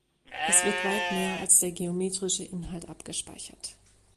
Es wird weit mehr als der geometrische Inhalt abgespeichert.